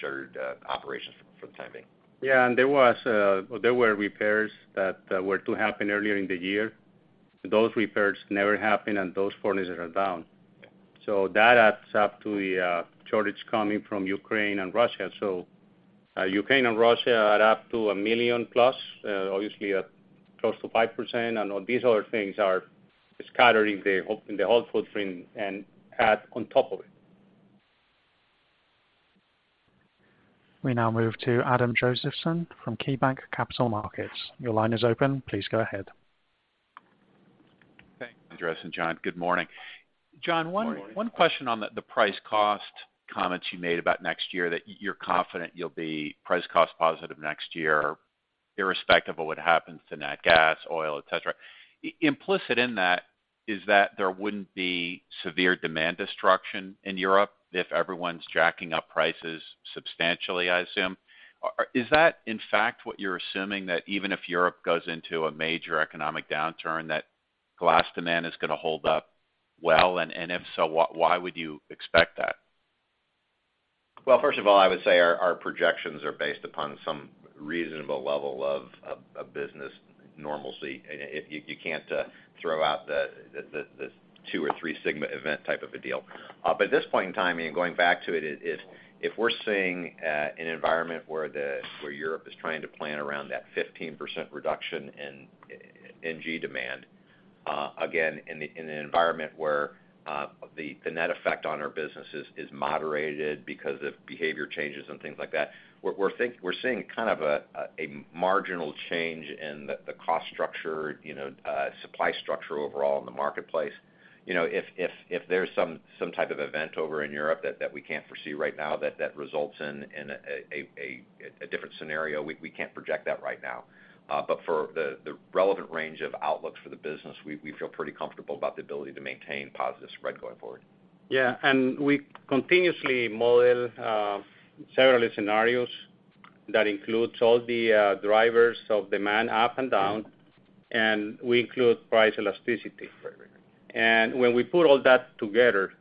shuttered operations for the time being. Yeah. There were repairs that were to happen earlier in the year. Those repairs never happened, and those furnaces are down. That adds up to the shortage coming from Ukraine and Russia. Ukraine and Russia are up to one million-plus, obviously up close to 5%. All these other things are scattered in the whole footprint and add on top of it. We now move to Adam Josephson from KeyBanc Capital Markets. Your line is open. Please go ahead. Thanks, Andres. John, good morning. Good morning. John, one question on the price cost comments you made about next year that you're confident you'll be price cost positive next year, irrespective of what happens to nat gas, oil, et cetera. Implicit in that is that there wouldn't be severe demand destruction in Europe if everyone's jacking up prices substantially, I assume. Is that in fact what you're assuming that even if Europe goes into a major economic downturn, that glass demand is gonna hold up well? If so, why would you expect that? Well, first of all, I would say our projections are based upon some reasonable level of business normalcy. If you can't throw out the two or three sigma event type of a deal. At this point in time, going back to it, if we're seeing an environment where Europe is trying to plan around that 15% reduction in NG demand, again, in an environment where the net effect on our business is moderated because of behavior changes and things like that, we're seeing kind of a marginal change in the cost structure, you know, supply structure overall in the marketplace. You know, if there's some type of event over in Europe that we can't foresee right now that results in a different scenario, we can't project that right now. For the relevant range of outlooks for the business, we feel pretty comfortable about the ability to maintain positive spread going forward. Yeah. We continuously model several scenarios that includes all the drivers of demand up and down, and we include price elasticity. Right. When we put all that together,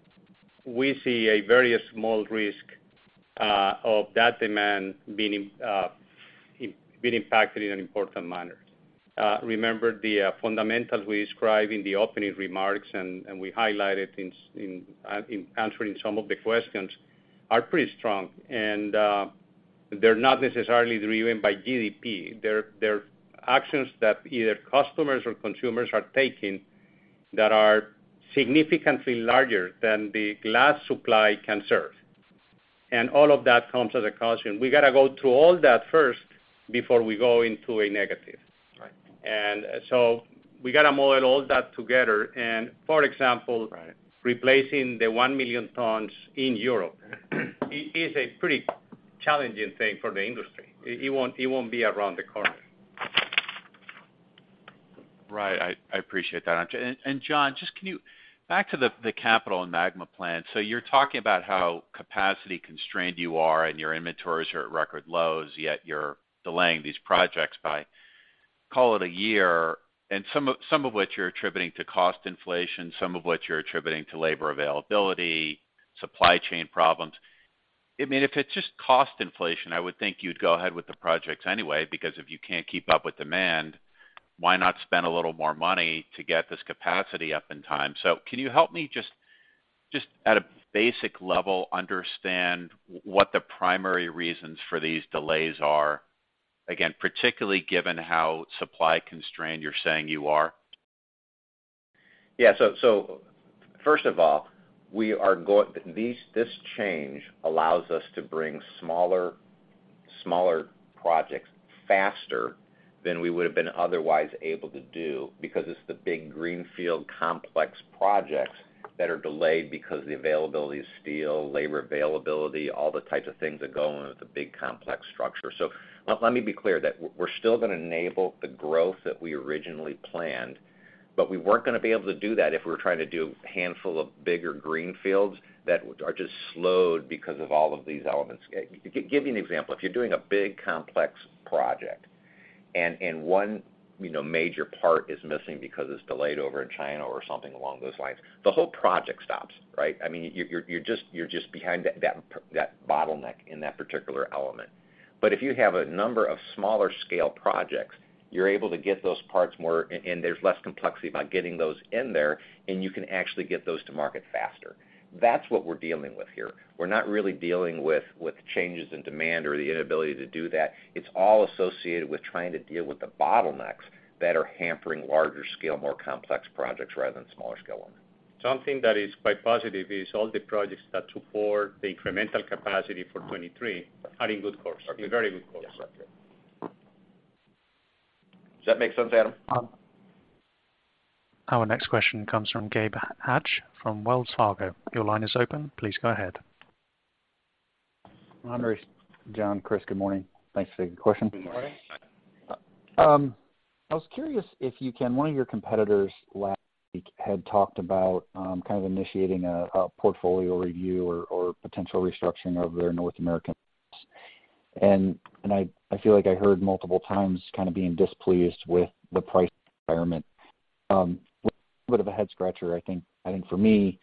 we see a very small risk of that demand being impacted in an important manner. Remember the fundamentals we described in the opening remarks and we highlighted in answering some of the questions are pretty strong, and they're not necessarily driven by GDP. They're actions that either customers or consumers are taking that are significantly larger than the glass supply can serve. All of that comes as a caution. We gotta go through all that first before we go into a negative. Right. We gotta model all that together. For example. Right. Replacing the one million tons in Europe is a pretty challenging thing for the industry. It won't be around the corner. Right. I appreciate that. John, just can you back to the capital and MAGMA plan. You're talking about how capacity constrained you are and your inventories are at record lows, yet you're delaying these projects by, call it a year, and some of which you're attributing to cost inflation, some of which you're attributing to labor availability, supply chain problems. I mean, if it's just cost inflation, I would think you'd go ahead with the projects anyway, because if you can't keep up with demand, why not spend a little more money to get this capacity up in time? Can you help me just at a basic level understand what the primary reasons for these delays are, again, particularly given how supply constrained you're saying you are? First of all, this change allows us to bring smaller projects faster than we would have been otherwise able to do because it's the big greenfield complex projects that are delayed because of the availability of steel, labor availability, all the types of things that go into the big complex structure. Let me be clear that we're still gonna enable the growth that we originally planned, but we weren't gonna be able to do that if we were trying to do a handful of bigger greenfields that are just slowed because of all of these elements. To give you an example, if you're doing a big complex project and one, you know, major part is missing because it's delayed over in China or something along those lines, the whole project stops, right? I mean, you're just behind that bottleneck in that particular element. If you have a number of smaller scale projects, you're able to get those parts more, and there's less complexity about getting those in there, and you can actually get those to market faster. That's what we're dealing with here. We're not really dealing with changes in demand or the inability to do that. It's all associated with trying to deal with the bottlenecks that are hampering larger scale, more complex projects rather than smaller scale ones. Something that is quite positive is all the projects that support the incremental capacity for 2023 are in good course, in very good course. Okay. Yes, got you. Does that make sense, Adam? Our next question comes from Gabe Hajde from Wells Fargo. Your line is open. Please go ahead. Andres, John, Chris, good morning. Thanks for taking the question. Good morning. I was curious, one of your competitors last week had talked about kind of initiating a portfolio review or potential restructuring of their North American. I feel like I heard multiple times kind of being displeased with the price environment. Bit of a head scratcher, I think for me,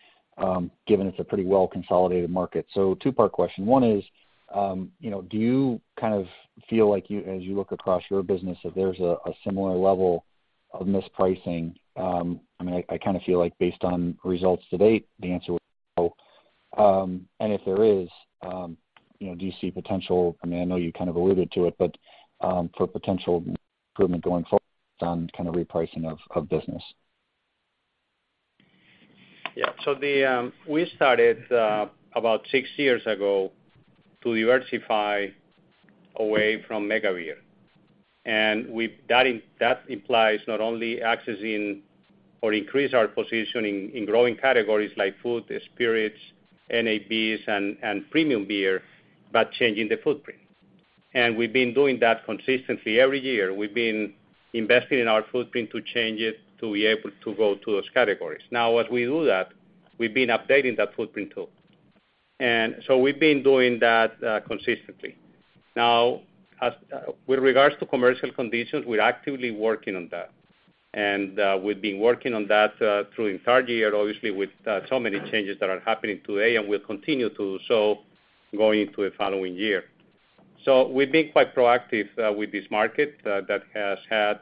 given it's a pretty well-consolidated market. Two-part question. One is, you know, do you kind of feel like as you look across your business that there's a similar level of mispricing? I mean, I kind of feel like based on results to date, the answer is no. If there is, you know, do you see potential, I mean, for potential improvement going forward on kind of repricing of business? Yeah. We started about six years ago to diversify away from mega beer. That implies not only accessing and increasing our position in growing categories like food, spirits, NABs and premium beer, but changing the footprint. We've been doing that consistently. Every year, we've been investing in our footprint to change it, to be able to go to those categories. Now, as we do that, we've been updating that footprint too. We've been doing that consistently. Now, with regards to commercial conditions, we're actively working on that. We've been working on that through the entire year, obviously, with so many changes that are happening today, and we'll continue to do so going into the following year. We've been quite proactive with this market that has had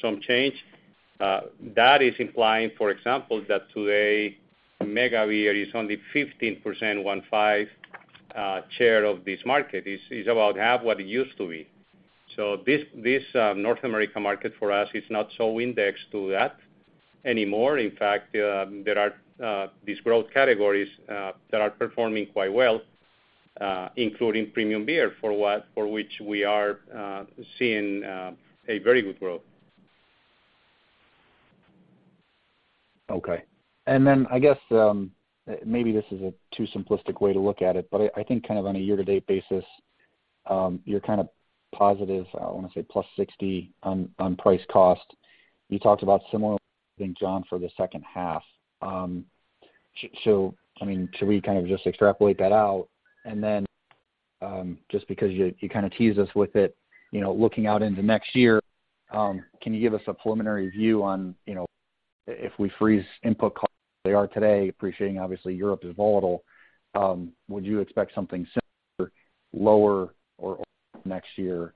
some change. That is implying, for example, that today, mega beer is only 15% share of this market. It is about half what it used to be. This North America market for us is not so indexed to that anymore. In fact, there are these growth categories that are performing quite well, including premium beer, for which we are seeing a very good growth. Okay. Then I guess maybe this is a too simplistic way to look at it, but I think kind of on a year-to-date basis, you're kind of positive, I wanna say +60 on price cost. You talked about similar to what John for the H2. I mean, should we kind of just extrapolate that out? Just because you kind of teased us with it, you know, looking out into next year, can you give us a preliminary view on, you know, if we freeze input costs as they are today, appreciating obviously Europe is volatile, would you expect something similar, lower or next year?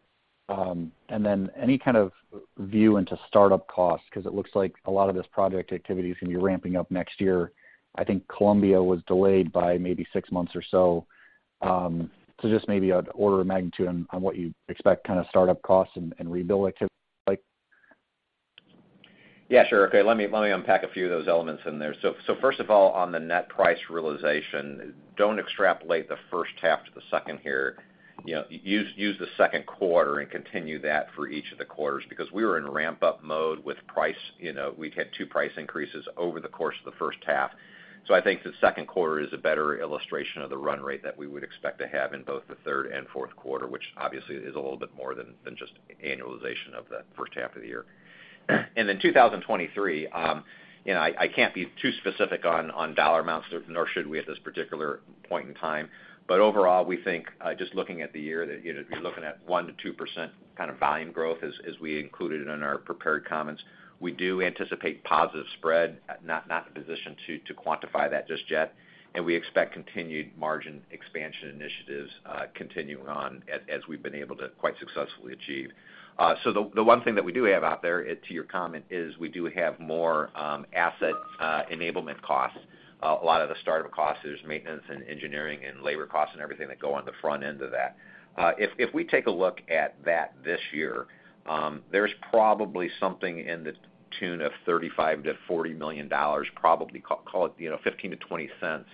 Any kind of view into startup costs, 'cause it looks like a lot of this project activity is gonna be ramping up next year. I think Colombia was delayed by maybe six months or so. Just maybe an order of magnitude on what you expect kind of startup costs and rebuild activity like. Yeah, sure. Okay, let me unpack a few of those elements in there. First of all, on the net price realization, don't extrapolate the H1 to the second here. You know, use the Q2 and continue that for each of the quarters because we were in ramp-up mode with price. You know, we've had two price increases over the course of the H1. I think the Q2 is a better illustration of the run rate that we would expect to have in both the third and Q4, which obviously is a little bit more than just annualization of the H1 of the year. Then 2023, you know, I can't be too specific on dollar amounts, nor should we at this particular point in time. Overall, we think, just looking at the year that, you know, you're looking at 1%-2% volume growth as we included in our prepared comments. We anticipate positive spread, not in a position to quantify that just yet. We expect continued margin expansion initiatives, continuing on as we've been able to quite successfully achieve. The one thing that we have out there to your comment is we have more asset enablement costs. A lot of the startup costs, there's maintenance and engineering and labor costs and everything that go on the front end of that. If we take a look at that this year, there's probably something to the tune of $35-$40 million, probably call it, you know, $0.15-$0.20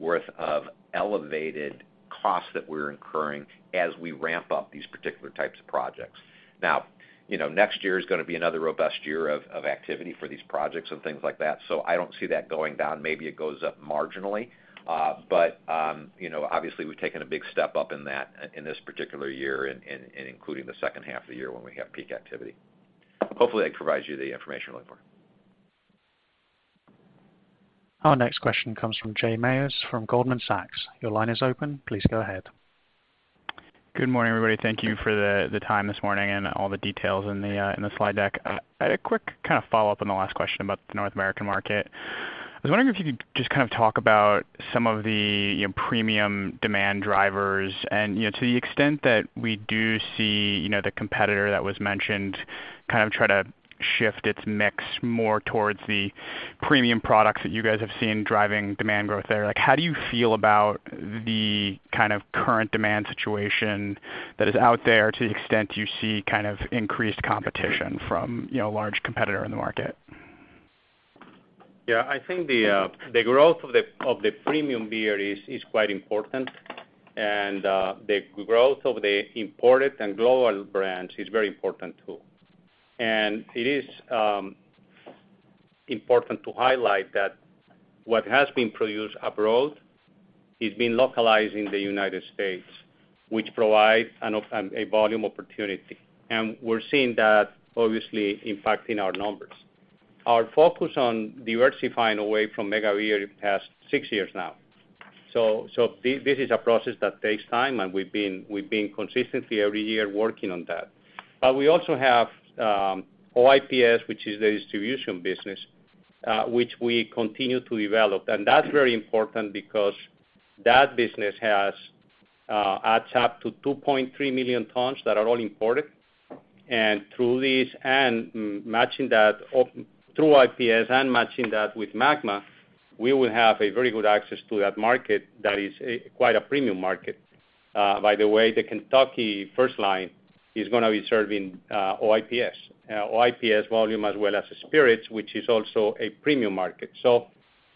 worth of elevated costs that we're incurring as we ramp up these particular types of projects. Now, you know, next year is gonna be another robust year of activity for these projects and things like that. I don't see that going down. Maybe it goes up marginally. But, you know, obviously, we've taken a big step up in that in this particular year and including the H2 of the year when we have peak activity. Hopefully, that provides you the information you're looking for. Our next question comes from Jay Mayers from Goldman Sachs. Your line is open. Please go ahead. Good morning, everybody. Thank you for the time this morning and all the details in the slide deck. I had a quick kind of follow-up on the last question about the North American market. I was wondering if you could just kind of talk about some of the, you know, premium demand drivers. You know, to the extent that we do see, you know, the competitor that was mentioned kind of try to shift its mix more towards the premium products that you guys have seen driving demand growth there. Like, how do you feel about the kind of current demand situation that is out there to the extent you see kind of increased competition from, you know, a large competitor in the market? Yeah, I think the growth of the premium beer is quite important. The growth of the imported and global brands is very important too. It is important to highlight that what has been produced abroad is being localized in the United States, which provides a volume opportunity. We're seeing that obviously impacting our numbers. Our focus on diversifying away from mega beer is past six years now. This is a process that takes time, and we've been consistently every year working on that. We also have OIPS, which is the distribution business, which we continue to develop. That's very important because that business adds up to 2.3 million tons that are all imported. Through OIPS and matching that with MAGMA, we will have a very good access to that market that is quite a premium market. By the way, the Kentucky first line is gonna be serving OIPS volume as well as spirits, which is also a premium market.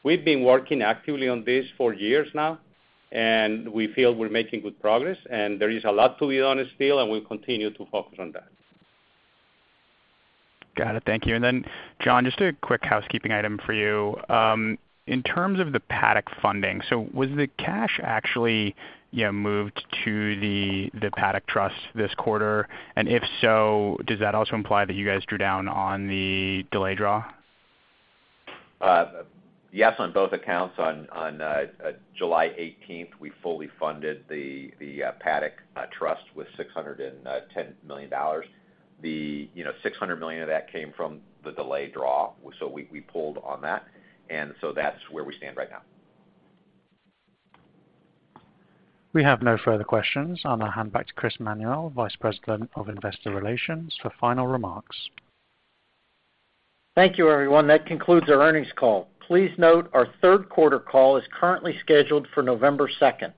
We've been working actively on this for years now, and we feel we're making good progress. There is a lot to be done still, and we'll continue to focus on that. Got it. Thank you. John, just a quick housekeeping item for you. In terms of the Paddock funding, so was the cash actually, you know, moved to the Paddock Trust this quarter? If so, does that also imply that you guys drew down on the delayed draw? Yes, on both accounts. On July 18th, we fully funded the Paddock Trust with $610 million. You know, $600 million of that came from the delayed draw. We pulled on that. That's where we stand right now. We have no further questions. I'm gonna hand back to Chris Manuel, Vice President of Investor Relations, for final remarks. Thank you, everyone. That concludes our earnings call. Please note our Q3 call is currently scheduled for November second.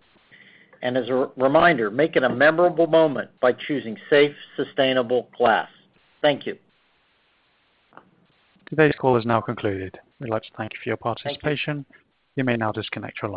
As a reminder, make it a memorable moment by choosing safe, sustainable glass. Thank you. Today's call is now concluded. We'd like to thank you for your participation. Thank you. You may now disconnect your line.